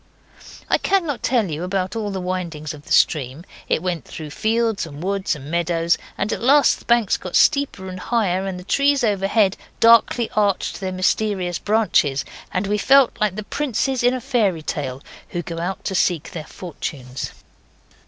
I cannot tell you about all the windings of the stream; it went through fields and woods and meadows, and at last the banks got steeper and higher, and the trees overhead darkly arched their mysterious branches, and we felt like the princes in a fairy tale who go out to seek their fortunes.